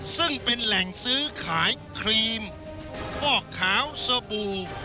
ซึ่งเป็นแหล่งซื้อขายครีมฟอกขาวสบู่